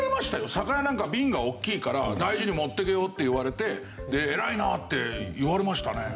酒屋なんか瓶が大きいから大事に持ってけよって言われて偉いなって言われましたね。